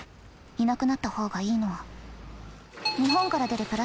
いなくなった方がいいのは。